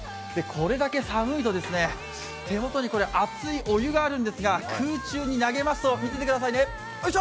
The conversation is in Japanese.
これだけ寒いと、手元に熱いお湯があるんですが、空中に投げますと、見ていてくださいね。